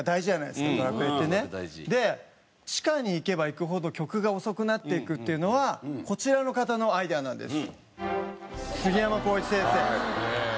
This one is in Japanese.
で地下に行けば行くほど曲が遅くなっていくっていうのはこちらの方のアイデアなんです。